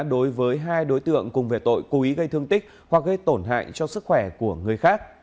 đối với hai đối tượng cùng về tội cố ý gây thương tích hoặc gây tổn hại cho sức khỏe của người khác